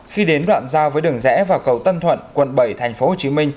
khi đến đoạn giao với đường rẽ và cầu tân thuận quận bảy tp hcm